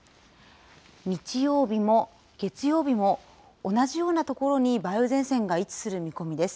日曜日も、月曜日も同じような所に梅雨前線が位置する見込みです。